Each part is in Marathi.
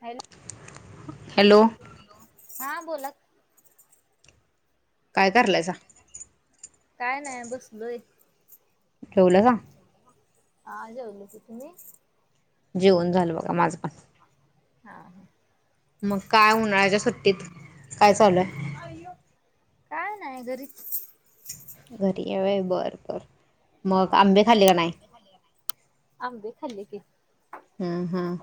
हॅलो हा बोला काय करालायसा? काय नाही बसलोय ठेवलासा हा जेवलो की तुम्ही? जेवून झालं बघा माझं पण हा हा मग काय उन्हाळ्याच्या सुट्टीत काय चालूय. अय्यो काय नाही घरीच. घरी आहे बर बर हा हा आंबे खाल्ले की हम्म हम्म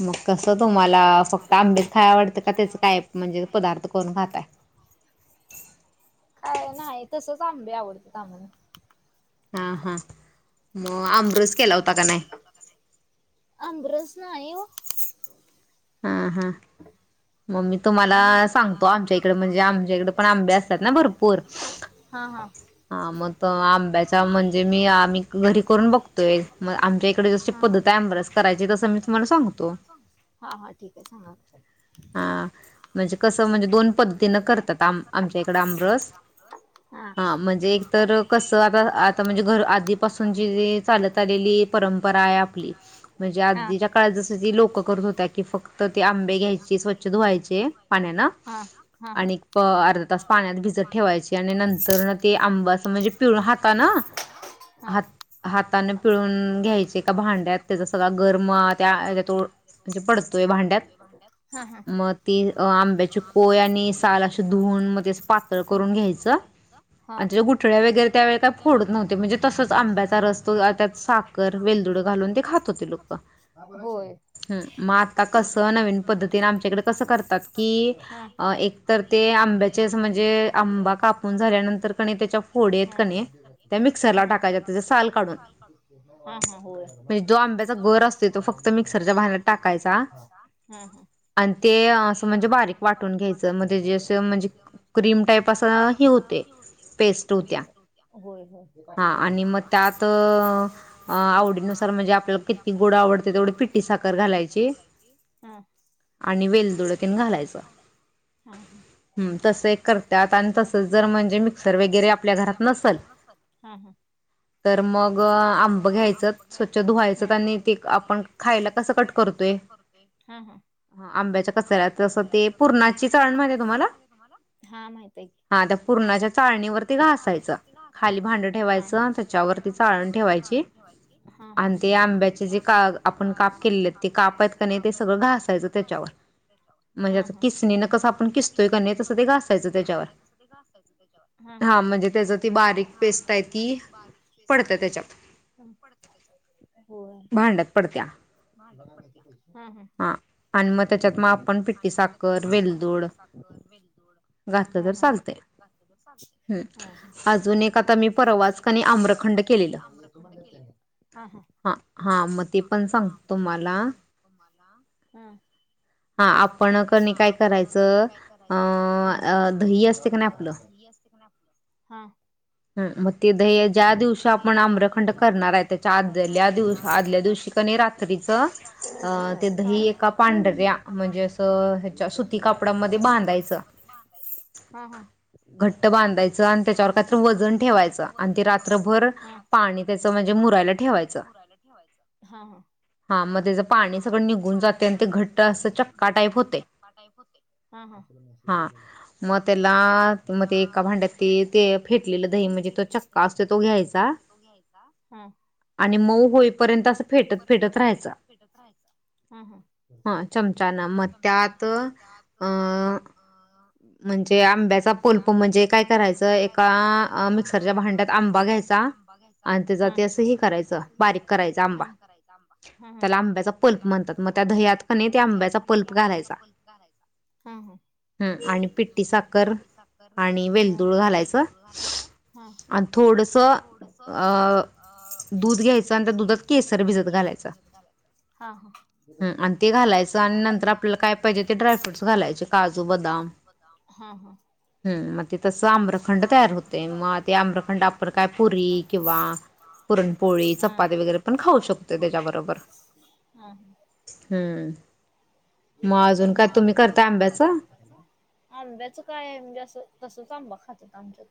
मग कसं तुम्हाला फक्त आंबेच खाय आवडतं का त्याचं काय म्हणजे पदार्थ करून खाताय. काय नाही तसच आंबे आवडत्यात आम्हाला हा हा म आमरस केला होता का नाही. आमरस नाही ओ हा हा मग मी तुम्हाला सांगतो आमच्या इकडे म्हणजे आमच्या इकडे पण आंबे असतात ना भरपूर. हा म तो आंब्याचा म्हणजे मी आम्ही घरी करून बघतोय मग आमच्या तिकड जशी पद्धतय हाय आमरस कराची तस मी तुम्हाला सांगतो. हा हा ठीक आहे सांगा. हा म्हणजे कसं म्हणजे दोन पद्धतीनं करत्यात आम आमच्या इकड आमरस. हा म्हणजे एक तर कसं आता आता म्हणजे घर आधीपासून जी चालत आलेली. परंपरा आहे आपली, म्हणजे आधीच्या काळात जस लोक करत होतीत. कि फक्त ते आंबे घ्यायची स्वच्छ धुवायची. [unintelligible] पाण्यानं आणि अर्धा तास पाण्यात भिजत ठेवाय चे आणि नंतर. ते आंब अस म्हणजे पिळून हाताान ह हाताान पिळून घ्यायचे का भांड्यात. तेजा सगळा [unintelligible] त्या तो म्हणजे पडत पडतोय भांड्यात हा हा मग ते आंब्याची पोय आणि साल अशी धुन म ते पातळ करून घ्यायचं हा गुठळ्या वगैरे त्यावेळे फोडत नव्हते म्हणजे तसच अंब्याचा रस तो साखर, [unintelligible] ते खात्यात होय म आता कस नवीन पद्धती आमच्या इकड पण करतात हा एक तर ते आंब्याच म्हणजे हम्म हम्म. हा हा होय जो आमच्याचा गर [unintelligible] हा आणि ते असं म्हणजे बारीक वाटून घ्यायचं म्हणजे जेसं म्हणजे क्रीम टाईप असं हे होते. पेस्ट होत्या, हा आणि मग त्यात आवडीनुसार म्हणजे आपल्याला किती गोड आवडत तेवढी पिट्टी साखर घालायची. हा. आणि वेलदोडे तेन घालायच. हा हा. तसे करतात आणि तस जर म्हणजे मिक्सर वगैरे आपल्या घरात नसेल हा हा. तर मग आंब घ्यायचं स्वच्छ धुवायचं आणि ते आपण. आपण खायला कस कट करतोय, हा हा. हा आंब्याचा आंब्याच्या कसऱ्याच असं ते पूर्णाची तळण माती तुम्हाला हा माहित आहे की. हा त्या पूर्णाच्या चाळणीवरती घासायचं खाली भांडं ठेवायचं त्याच्यावरती चाळण ठेवायची. आणि ते आंब्याचे जे का आपण काप केले ते काप आहेत की सगळं घासायचं त्याच्यावर. हा हा म्हणजे किसणे ना कसं आपण किसतोय क नाही कस ते गासायचं त्याच्यावर. हा ह, हा म्हणजे त्याचा ती बारीक किसत आहे ती‌ पडत तेच्यात, होय [unintelligible] हा- हा. हा आणि मग त्याच्यात मग आपण किती साखर वेलदोड- हा, हा हं अजून एक आता मी परवा आणि आम्रखंड केलेले हा हा. ह हा मग ते पण सांगतो तुम्हाला. तुम्हाला हम् हा आपण क नाही काय करायचं अ दही असते क नाही आपलं. हा. ते ज्या दिवसा आपण आमरखंड करणार आहे [unintelligible] त्या दिवशी कणी रात्रीचं एका पांढऱ्या कपड्यांमध्ये बांधायचं हा हा. घट्ट बांधायचं आणि त्याच्यावर काहीत वजन ठेवायचं आणि ते रात्रभर. रात्रभर पाणी त्याच म्हणजे मुरायला ठेवायचं. हा हा‌. हा मग त्याचं पाणी सगळं निघून जाते आणि ते घट्ट. मग असं चक्का टाईप होतयं, हा मग त्याला- मग ते एका भांड्यात ते ते फेटलेलं दही म्हणजे तो चक्का असतो तो घ्यायचा. आणि मऊ होईपर्यंत असं फेटत फेटत राहायच. [unintelligible] ह ह. हा चमचान मग त्यात अ म्हणजे आंब्याचा पोलप म्हणजे काय करायचं एका मिक्सरच्या भांड्यात आंबा घ्यायचा करायच कराय आं त्याला आंबचा प म्हणतात मग त्या दह्यात खने त्या आंब्याचा पल्प घालायचा ह आणि पिटी साखर पिट्टी साखर आणि मेंदूळ घालायच आणि थोडस. अ दूध घ्यायचं आणि त्या दुधात केसर भिजत घालायचं. हा हा आणि ते घालायचं आणि नंतर आपल्याला काय पाहिजे ते बाकीचं घालायचं हा हा. हम् मग ते तसं आम्रखंड तयार होते मग ते आम्रखंड आपण काय पुरी किंवा पुरणपोळी चपाती वगैरे पण खाऊ शकतोय त्याच्याबरोबर. ह हम्. हम्म त त आंब्याचं काय आहे म्हणजे असं तसच आंबा खातात आमच्यात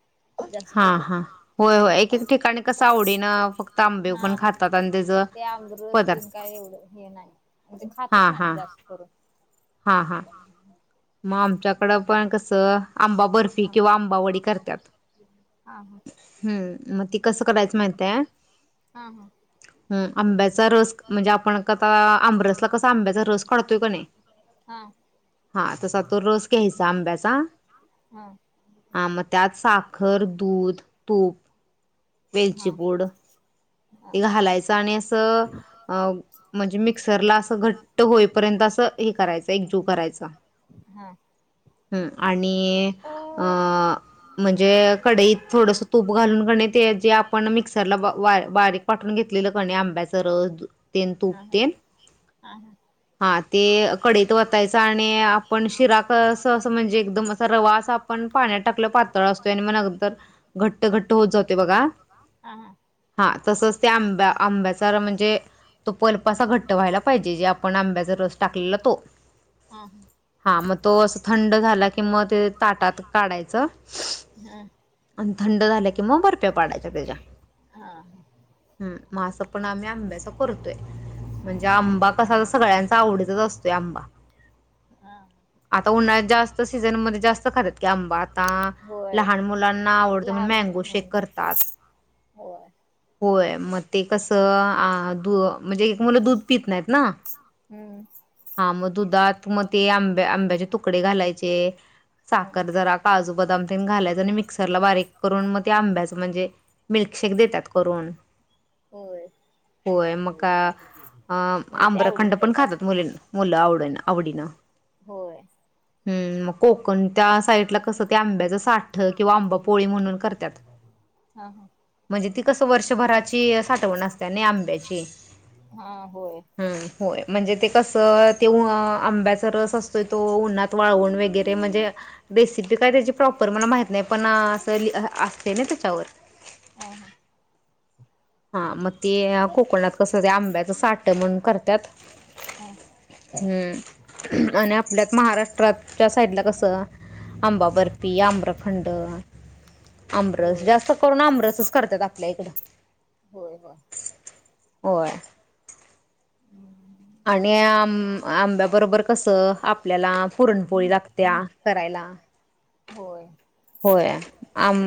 हा हा होय हो एक एक ठिकाणी कसं आवडीनं फक्त आंबेव पण खातात आणि त्याच ते अमरू असतील काय एवढं हे नाही म्हण ते खातच नाही जास्त करून हा हा ह मग आमच्याकडं पण कसं आंबा बर्फी किंवा आंबावडी करतात हम्म मग ती कसं करायचं माहतीय हा हा ह आंब्याचा रस म्हणजे आपण कता आंबरसला कस आंब्याचा रस काढतोय का नाही हा हा तसा तो रोस क्यासा आंब्याचा ह मग त्यात साखर दूध तूप वेलचीपूड हे घालायचं आणि असं म्हणजे मिक्सरला असं घट तर होईपर्यंत असं हे करायचं एकजूव करायचा हा ह आणि म्हणजे कडईत थोडस तूप घालून घणे ते जे आपण मिक्सरला बारीक पाठून घेतलेलं कणी आंब्याच रस तेन तूप तेन हा ते कडीत वतायचं आणि आपण शिरा क अस असं म्हणजे एकदम सर्वास आपण पाण्यात टाकल पातळ असतो आणि मग अगदर घट्ट घट्ट होत जातते बघा हा हा हा तसच त्या आंब्या आंब्याचा म्हणजे तो पलप असा घट्ट व्हायला पाहिजे जे आपण आंब्याचा रस टाकलेला तो हा हा हा मग तो असं थंड झाला की मग ते ताटात काढायचं. आणि थंड झालं कि मग बर्फ्या पाडायच्या त्याच्या. हम म असं पण आम्ही आंब्याच करतोय, म्हणजे आंबा कसा सगळ्यांचा आवडीचा असतो. ते आंबा. हा. आता उन्हाळ्यात जास्त सीझनमध्ये जास्त खातात की आंबा आता लहान मुलांना आवडत मँगो शेक करतात. [inaudible] होय मग ते कसं दू म्हणजे एक मुलं दूध पित नाहीत ना. हम्म. हा मग दुधात मग ते आंब्या, आंब्याचे तुकडे घालायचे‌. साखर जरा काजू, बदाम तेन घालायच आणि मिक्सरला बारीक करून मग त्या आंब्याच म्हणजे मिल्कशेक देतात करून. होय मग का. अं आंमरखंड पण खातात मुलींना-मुलं आवड-आवडीनं. होय. हम्म, मग कोकण त्या साईडला कसं ते आंब्याच साठ किंवा आंबा पोळी म्हणून करतात. म्हणजे ती कसं वर्षभराची साठवण असत ना आंब्याची. हम होय म्हणजे ते कसं तेव्हा आंब्याचा रस अस तो उन्हात वाळवून वगैरे म्हणजे. रेसिपी काय त्याची प्रॉपर मला माहित नाही, पण असं लि असतय ना त्याच्यावर. हा, हा, हा, मग ते कोकणात कसं ते आंब्याचं साठ म्हणून करतात. हम्म, आणि आपल्यात, महाराष्ट्राच्या साइडला कसं आंबा बर्फी, आम्रखंड, आमरस, जास्त करून आमरसच करतात आपल्या इकडं. होय होय. होय. अणी आपल्या बरोबर कस, आपल्याला पूर्णमी लागत्या, कराय होय. होय, आं,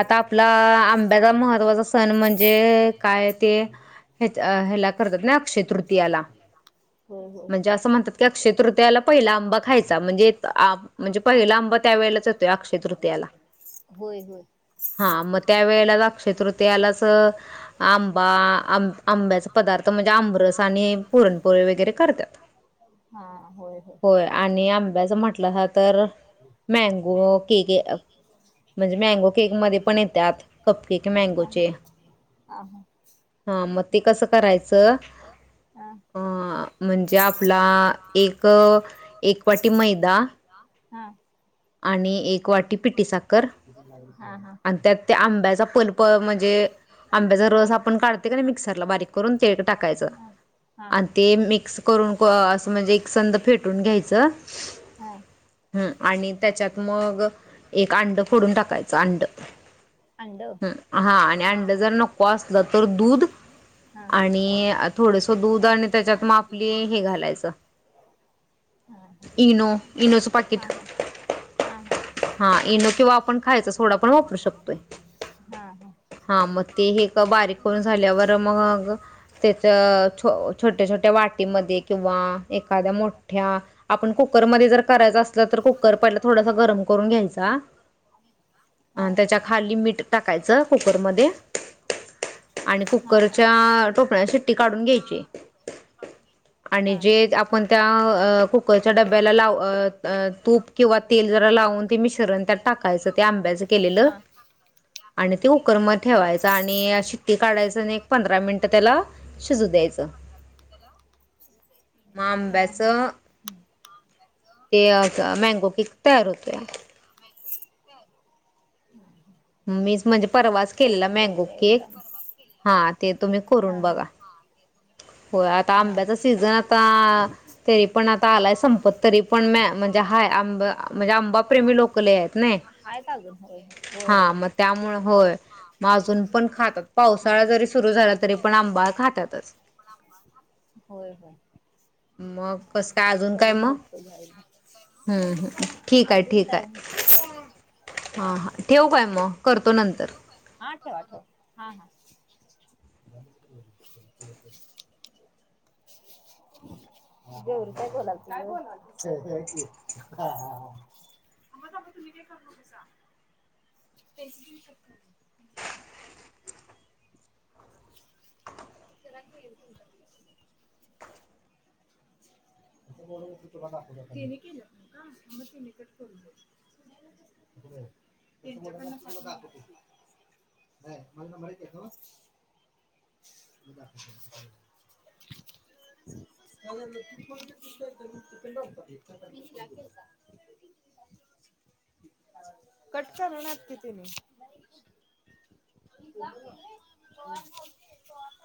आता आपला आंब्याचा महत्त्वाचा सण म्हणजे, काय ते ह्याला करतात ना, अक्षय तृतीयाला. [inaudible] म्हणजे असं म्हणतात की, अक्षय तृतीयाला पहिला आंबा खायचा, म्हणजे म्हणजे पहिला आंबा त्यावेेळेलाच एतोय, अक्षय तृतीयाला. हा, मग त्या वेळेलाच, अक्षय तृतीयालाच, आंबा, आं आंब्याचा पदार्थ म्हणजे आंमरस आणि पुरणपोळी वगैरे करतात. हा, हो हो. होय आणि आंब्याचं म्हटलं ना तर मँगो के के म्हणजे मँगो केक मधे पण येतात, कप केक मँगोचे. आं, हा, मग ते कसं करायचं. हम, आपला एक, एक वाटी मैदा, हा. आ्णी एक वाटी. आणि त्यात त्या आंब्याचा पलप म्हणजेऽ आंब्याचा रस आपण काढतय का मिक्सरला बारीक करून, ते टाकायचं. आणि ते मिक्स करून, असं म्हणजे, एक संद फेटून घ्यायचं. हा, हमम, आणि त्याच्यात मग एक अंड फोडून टाकायचं,, अंड. हम, हा, आणि अंड जर नको असल तर दूधऽ आणि थोडस दूध आणि त्याच्यात म आपली, हे घालायचं. इनो, इनोच पाकिट. हा,, इनो किंवा आपण खायचा सोडा पण वापरू शकतोय. हा,, मग ते हे बारीक करून झाल्यावर मग. त्याच, छो छोट्या छोट्या वाटीमध्ये किंवा एखाद्या मोठ्याऽ आपण कुकरमध्ये जर करायच असलं, तर कुकर पहिला थोडासा गरम करून घ्यायचा. अ त्याच्या खाली मीठ टाकायचं कुकरमध्ये. आणि कुकरच्या टोपणाची शिट्टी काढून घ्यायची, आणि जेऽ आपन त्या, अं, कुकरच्या डब्याला तूप किंवा तेल जरा लाऊन. म ते मिश्रण त्यात टाकायचं, ते आंब्याचं केलेलं. आणि ते कुकर मधे ठेवायच, आणि शि्टी काढायच, आणि एक पंधरा मिनिटं त्यालाऽ हा हा ते अ मँगो कक ते मीच म्हणजे, परवाच केलेला मँगो केक, हा,, ते तुम्ही करून बघा. होय, आता आंब्याचा सीझन आता,, तरी पण आता आलाय संपत्. तरी पण म म्हणजे हाय, आंबा म्हणजे, आंबा प्रेमी लोक लय आहेत ना. हा,, मग त्यामुळे, होय. हा,, म्हणजे आमचंर पण, पावसाळा जरी सुरू करा. होय हो मग कसं काय अजून काय मग हम्म हम् ठीक आहे ठीक आहे हा ह ठेव काय मग ा आठव आठ हा हा ब [inaudible] देवृतय बोला मग त म तुम्हीय करतोतेसा पसऊ शक रा तिन तिन [inaudible] हय माझ नंबरचेत त दाख तण ह कट्ट म्हणत किती मी [inaudible]